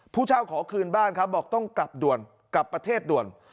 ผู้เช่าขอคืนบ้านครับบอกต้องกลับด่วนกลับประเทศด่วน